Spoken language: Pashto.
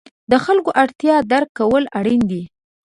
د خلکو اړتیاوې درک کول اړین دي.